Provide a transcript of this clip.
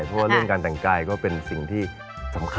เพราะว่าเรื่องการแต่งกายก็เป็นสิ่งที่สำคัญ